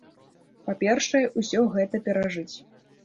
Па-першае, усё гэта перажыць.